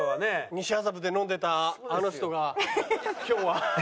西麻布で飲んでたあの人が今日は。